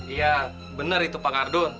iya benar itu pak kardun